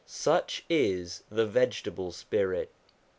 Such is the vegetable spirit.